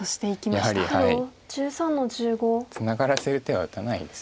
やはりツナがらせる手は打たないです。